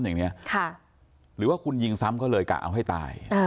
หรือว่าคุณยิงซ้ำก็เลยกะเอาให้ตาย